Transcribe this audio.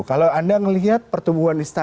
kalau anda melihat pertumbuhan instagram sekarang